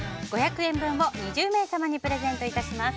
５００円分を２０名様にプレゼントいたします。